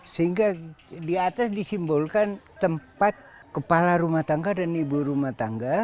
sehingga di atas disimbolkan tempat kepala rumah tangga dan ibu rumah tangga